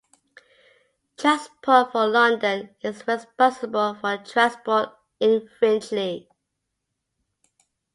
Transport for London is responsible for transport in Finchley.